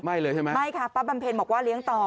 เลยใช่ไหมไม่ค่ะป้าบำเพ็ญบอกว่าเลี้ยงต่อ